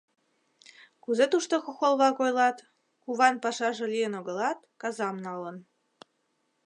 Кузе тушто хохол-влак ойлат: «Куван пашаже лийын огылат, казам налын».